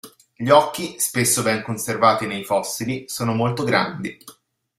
Gli occhi, spesso ben conservati nei fossili, sono molto grandi.